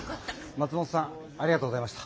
松本さんありがとうございました！